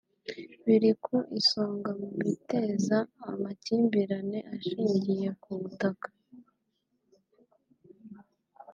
biri ku isonga mu biteza amakimbirane ashingiye ku butaka